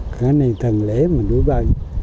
cái này thần lễ mình đuổi bơm